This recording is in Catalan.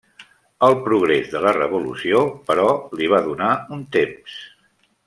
El progrés de la revolució, però, li va donar un temps.